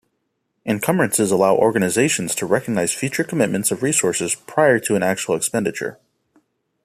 Encumbrances allow organizations to recognize future commitments of resources prior to an actual expenditure.